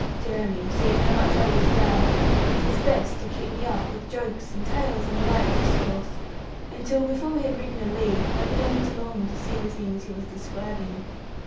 Jeremy, seeing how much I was down, did his best to keep me up with jokes, and tales, and light discourse, until, before we had ridden a league, I began to long to see the things he was describing.